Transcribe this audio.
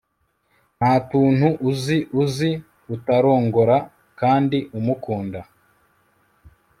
Ntatuntu uzi uzi utarongora kandi umukunda